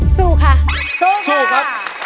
สู้ค่ะ